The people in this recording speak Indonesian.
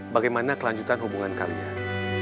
bagaimana kelanjutan hubungan kalian